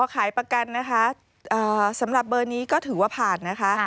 ขายประกันนะคะสำหรับเบอร์นี้ก็ถือว่าผ่านนะคะ